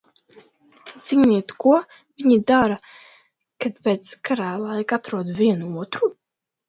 Ziniet, ko viņi dara, kad pēc garā laika atrod vien otru?